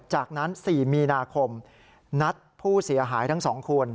จากนั้น๔มีนาคมนัดผู้เสียหายทั้ง๒คน